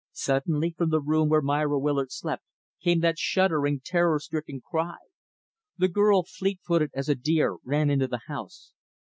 Suddenly, from the room where Myra Willard slept, came that shuddering, terror stricken cry. The girl, fleet footed as a deer, ran into the house.